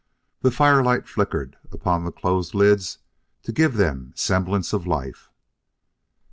The firelight flickered upon the closed lids to give them semblance of life.